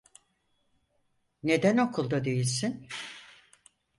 Neden okulda değilsin?